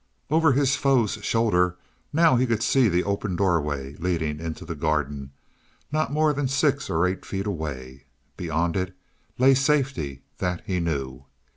Over his foe's shoulder now he could see the open doorway leading into the garden, not more than six or eight feet away. Beyond it lay safety; that he knew.